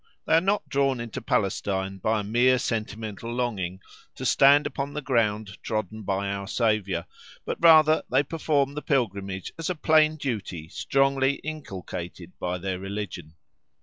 They are not drawn into Palestine by a mere sentimental longing to stand upon the ground trodden by our Saviour, but rather they perform the pilgrimage as a plain duty strongly inculcated by their religion.